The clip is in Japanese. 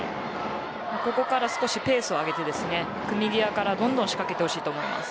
ここから少しペースを上げて組み際からどんどん仕掛けてほしいと思います。